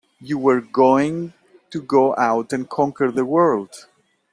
You were going to go out and conquer the world!